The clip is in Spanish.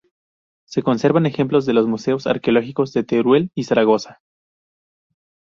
Se conservan ejemplos en los museos arqueológicos de Teruel y Zaragoza.